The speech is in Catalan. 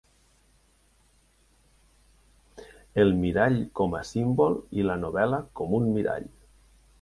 El mirall com a símbol i la novel·la com un mirall.